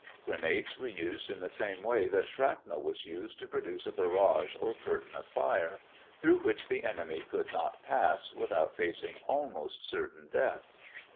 Grenades were used in the same way that shrapnel was used to produce a barrage or curtain of fire, through which the enemy could not pass without facing almost certain death.